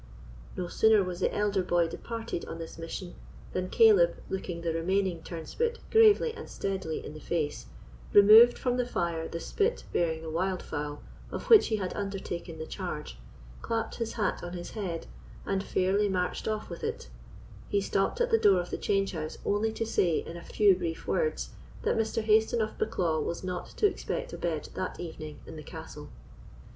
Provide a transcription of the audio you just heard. No sooner was the elder boy departed on this mission than Caleb, looking the remaining turnspit gravely and steadily in the face, removed from the fire the spit bearing the wild fowl of which he had undertaken the charge, clapped his hat on his head, and fairly marched off with it, he stopped at the door of the change house only to say, in a few brief words, that Mr. Hayston of Bucklaw was not to expect a bed that evening in the castle.